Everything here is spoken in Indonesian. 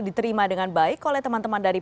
diterima dengan baik oleh teman teman dari